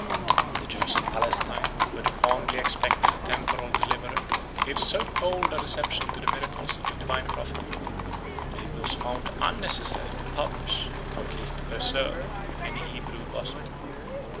The Jews of Palestine, who had fondly expected a temporal deliverer, gave so cold a reception to the miracles of the divine prophet, that it was found unnecessary to publish, or at least to preserve, any Hebrew gospel.